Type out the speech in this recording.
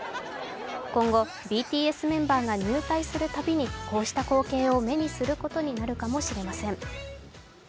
今後、ＢＴＳメンバーが入隊するたびにこうした光景を目にすることになるかもしれません。